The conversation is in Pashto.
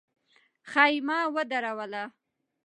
خېمه ودروله.